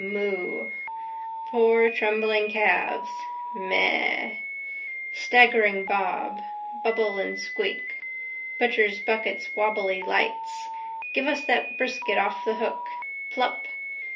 Moo. Poor trembling calves. Meh. Staggering bob. Bubble and squeak. Butchers' buckets wobbly lights. Give us that brisket off the hook. Plup.